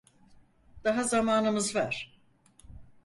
Daha zamanımız var.